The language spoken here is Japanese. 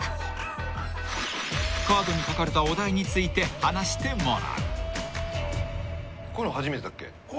［カードに書かれたお題について話してもらう］